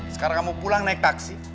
sekarang kamu pulang naik taksi